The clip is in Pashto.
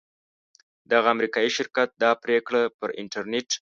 دغه امریکایي شرکت دا پریکړه پر انټرنیټ